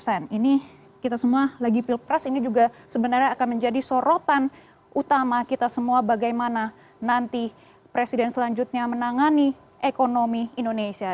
ini kita semua lagi pilpres ini juga sebenarnya akan menjadi sorotan utama kita semua bagaimana nanti presiden selanjutnya menangani ekonomi indonesia